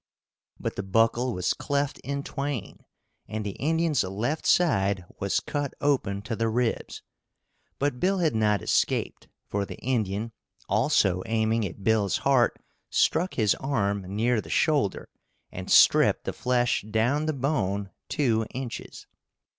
But the buckle was cleft in twain, and the Indian's left side was cut open to the ribs. But Bill had not escaped, for the Indian, also aiming at Bill's heart, struck his arm near the shoulder and stripped the flesh down the bone two inches.